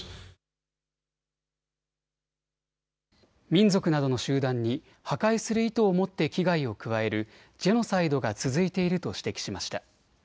民族などの集団に破壊する意図を持って危害を加えるジェノサイドが続いていると指摘しました。